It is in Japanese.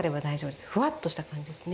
ふわっとした感じですね。